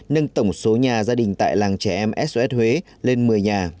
nâng tổng số nhà gia đình tại làng trẻ em sos huế lên một mươi nhà